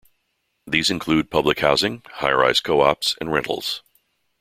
These include public housing, high-rise co-ops and rentals.